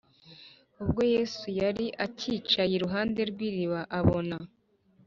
Ubwo Yesu yari acyicaye iruhande rw’iriba, abon